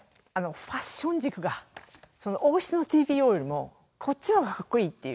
ファッション軸が、王室のＴＰＯよりもこっちのほうがかっこいいっていう。